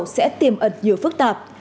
sẽ tiềm ẩn nhiều phức tạp